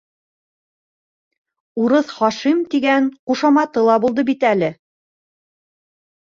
«Урыҫ Хашим» тигән ҡушаматы ла булды бит әле...